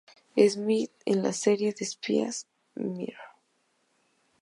Smith en la serie de espías "Mr.